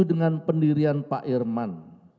dengan pendirian pak irman